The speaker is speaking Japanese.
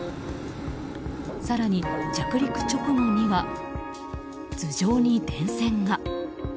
更に着陸直後には、頭上に電線が。